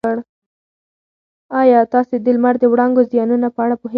ایا تاسي د لمر د وړانګو د زیانونو په اړه پوهېږئ؟